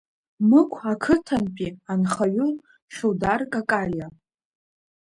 Мықә ақыҭантәи анхаҩы Хьудар Какалиа.